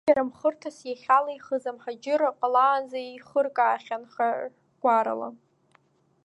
Уажәы иара мхырҭас иахьалихыз, амҳаџьырра ҟалаанӡа ихыркаахьан хаҳә гәарала.